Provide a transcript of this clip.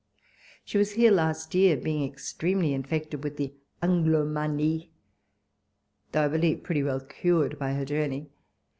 She was here last year, being extremely infected with the An{]lo manie, though I believe pretty well cured by her journey.